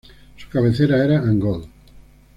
Su cabecera era Angol.